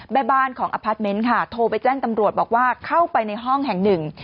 ใบบ้านของอัพพาร์ตเมนต์โทรไปแจ้งตำรวจบอกว่าเข้าไปในห้องแห่ง๑